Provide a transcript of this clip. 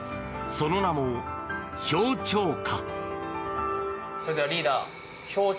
その名も氷彫華。